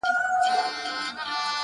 • او ماته یې هم په دې مراسمو کي ,